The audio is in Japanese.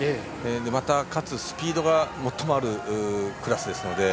また、かつスピードが最もあるクラスですので。